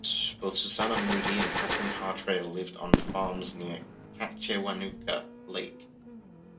Both Susanna Moodie and Catharine Parr Traill lived on farms near Katchewanooka Lake.